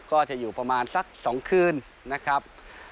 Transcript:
ก็จะอยู่ประมาณสัก๒คืนนะครับ